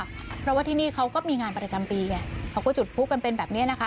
เพราะว่าที่นี่เขาก็มีงานประจำปีไงเขาก็จุดพลุกันเป็นแบบนี้นะคะ